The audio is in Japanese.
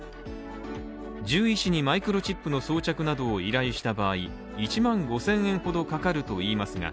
獣医師にマイクロチップの装着などを依頼した場合、１万５０００円ほどかかるといいますが、